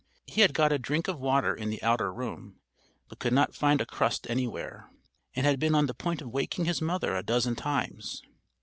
He had got a drink of water in the outer room, but could not find a crust anywhere, and had been on the point of waking his mother a dozen times.